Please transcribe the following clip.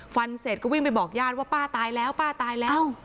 เสร็จก็วิ่งไปบอกญาติว่าป้าตายแล้วป้าตายแล้ว